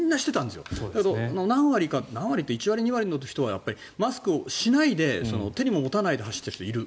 でも、何割か、１割２割の人はマスクをしないで手にも持たないで走っている人いる。